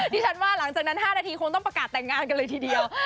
ดิฉันว่าหลังจากนั้น๕นาทีคงต้องประกาศแต่งงานกันเลยทีเดียว